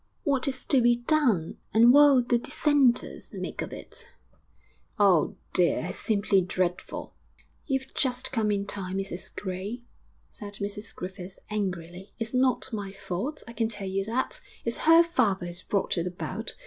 What is to be done? And what'll the dissenters make of it? Oh, dear, it's simply dreadful!' 'You've just come in time, Mrs Gray,' said Mrs Griffith, angrily. 'It's not my fault, I can tell you that. It's her father who's brought it about.